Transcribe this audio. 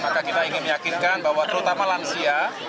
maka kita ingin meyakinkan bahwa terutama lansia